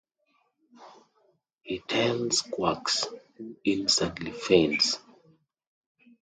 He tells Quark, who instantly faints.